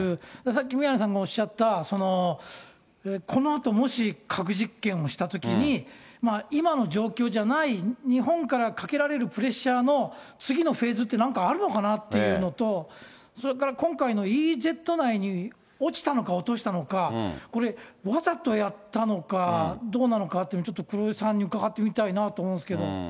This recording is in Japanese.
さっき宮根さんがおっしゃった、このあともし核実験をしたときに、今の状況じゃない日本からかけられるプレッシャーの、次のフェーズってなんかあるのかなっていうのと、それから今回のＥＥＺ内に落ちたのか落としたのか、これ、わざとやったのかどうなのかっていうの、ちょっと黒井さんに伺ってみたいなと思うんですけど。